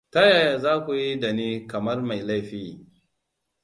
Ta yaya za ku yi da ni kamar mai laifi!